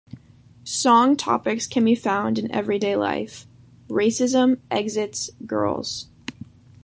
Song topics can be found in everyday life: racism, exits, girls.